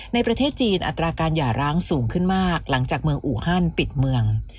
ในประเทศจีนอัตราการหย่าร้างสูงขึ้นมากหลังจากเมืองอูฮันปิดเมือง